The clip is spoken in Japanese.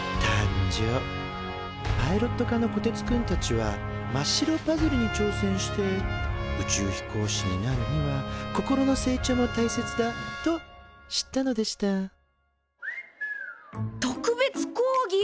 パイロット科のこてつくんたちは真っ白パズルに挑戦して宇宙飛行士になるには心の成長も大切だと知ったのでした「特別講義！！」。